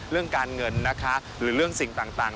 เรื่องการเงินนะคะหรือเรื่องสิ่งต่าง